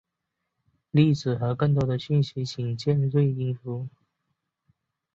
例子和更多的讯息请见锐音符。